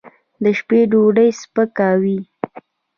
د شپې ډوډۍ سپکه وي.